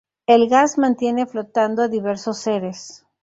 El gas mantiene flotando a diversos seres.